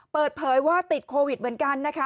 เปิดเผยว่าติดโควิดเหมือนกันนะคะ